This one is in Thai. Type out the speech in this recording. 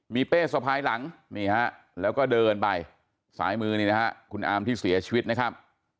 มีเป้สะพายหลังนี่ฮะแล้วก็เดินไปสายมือนี่นะฮะคุณอามที่เสียชีวิตนะครับ